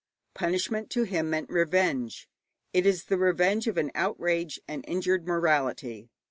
Punishment to him meant revenge. It is the revenge of an outraged and injured morality.